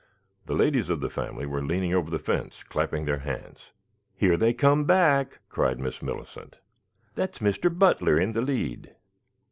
The ladies of the family were leaning over the fence clapping their hands. "There they come back," cried Miss Millicent. "That is Mr. Butler in the lead."